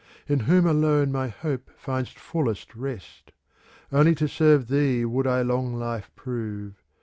In whom alone my hope finds fullest rest : Only to serve thee would I long life prove.